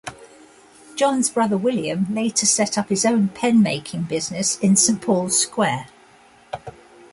John's brother William later set up his own pen-making business in Saint Paul's square.